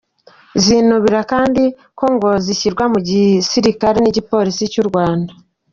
Zinubiraga kandi ko ngo zishyirwa mu gisirikare n’igipolisi cy’u Rwanda.